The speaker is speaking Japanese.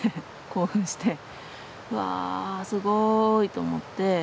興奮して。わすごいと思って。